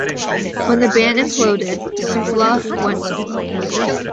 When the band imploded, Supla went solo.